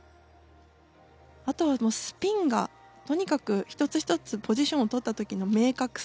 あとはスピンがとにかく１つ１つポジションを取った時の明確さ。